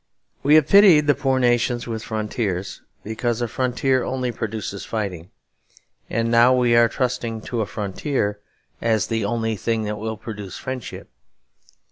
We have pitied the poor nations with frontiers, because a frontier only produces fighting; and now we are trusting to a frontier as the only thing that will produce friendship.